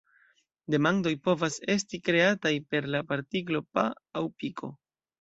Demandoj povas esti kreataj per la partiklo -"pa" aŭ "piko".